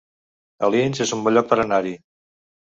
Alins es un bon lloc per anar-hi